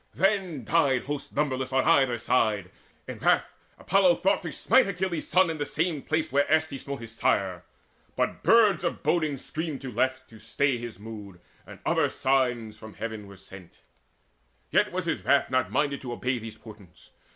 Then died Hosts numberless on either side. In wrath Apollo thought to smite Achilles' son In the same place where erst he smote his sire; But birds of boding screamed to left, to stay His mood, and other signs from heaven were sent; Yet was his wrath not minded to obey Those portents.